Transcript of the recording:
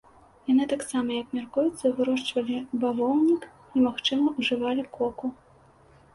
Яны таксама, як мяркуецца, вырошчвалі бавоўнік і, магчыма, ужывалі коку.